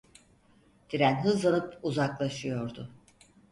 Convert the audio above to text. Tren hızlanıp uzaklaşıyordu.